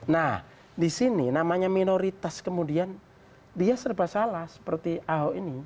nah di sini namanya minoritas kemudian dia serba salah seperti ahok ini